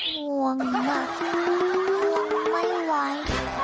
ง่วงน่ะง่วงไว้